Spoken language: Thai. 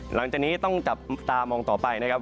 หลังจากนี้ต้องจับตามองต่อไปนะครับ